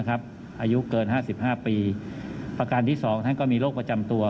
อายุเกิน๕๕ปีประการที่๒ท่านก็มีโรคประจำตัว